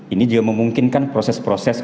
ini juga memungkinkan proses proses